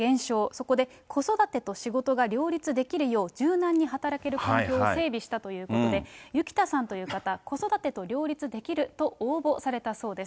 そこで子育てと仕事が両立できるよう柔軟に働ける環境を整備したということで、雪田さんという方、子育てと両立できると応募されたそうです。